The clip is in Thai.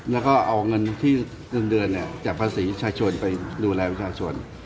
แล้วก็เอาเงินที่เงินเดือนจากภาษีชาชนไปดูแลประชาชน